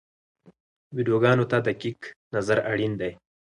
ویډیوګانو ته دقیق نظر اړین دی.